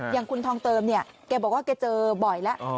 อย่างคุณทองเติมเนี่ยแกบอกว่าแกเจอบ่อยแล้ว